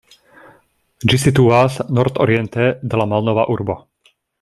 Ĝi situas nordoriente de la Malnova Urbo.